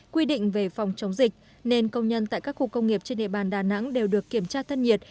quy định về phòng chống dịch nên công nhân tại các khu công nghiệp trên địa bàn đà nẵng đều được kiểm tra thân nhiệt